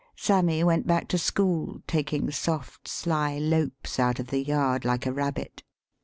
Sammy went back to school, taking soft sly lopes out of the yard like a rabbit.